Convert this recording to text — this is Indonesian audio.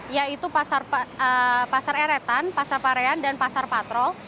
yaitu pasar eretan pasar parean dan pasar patrol